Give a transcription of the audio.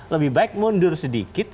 lebih baik mundur sedikit